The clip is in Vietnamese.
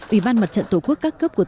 ủy ban mặt trận tổ quốc các cấp của tổ quốc